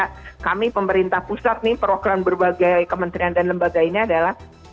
karena kami pemerintah pusat nih program berbagai kementerian dan lembaga ini adalah